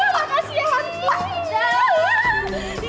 makasih ya honey